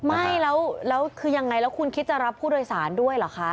ไม่แล้วคือยังไงแล้วคุณคิดจะรับผู้โดยสารด้วยเหรอคะ